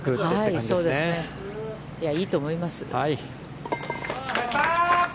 いいと思います。